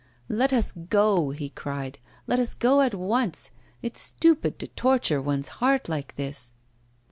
'Let us go!' he cried; 'let us go at once! It's stupid to torture one's heart like this!